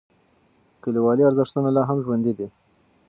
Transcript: کلیوالي ارزښتونه لا هم ژوندی دي.